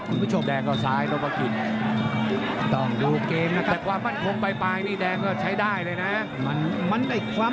แต่ซ้ายต่อยซ้ายน้ำเงินนี่ใช้ได้เลยนะครับ